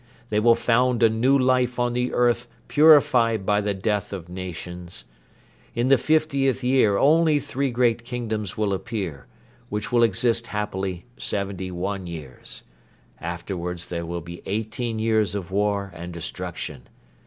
They will found a new life on the earth purified by the death of nations. In the fiftieth year only three great kingdoms will appear, which will exist happily seventy one years. Afterwards there will be eighteen years of war and destruction.